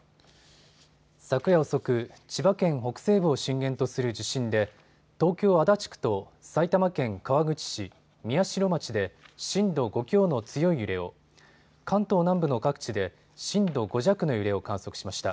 昨夜遅く、千葉県北西部を震源とする地震で東京足立区と埼玉県川口市、宮代町で震度５強の強い揺れを関東南部の各地で震度５弱の揺れを観測しました。